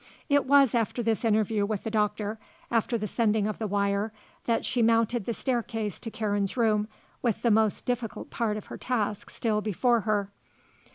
It was after this interview with the doctor, after the sending of the wire, that she mounted the staircase to Karen's room with the most difficult part of her task still before her.